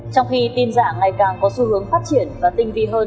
trong khi tin giả ngày càng có xu hướng phát triển và tinh vi hơn